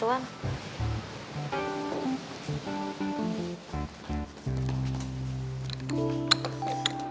nih gue kasih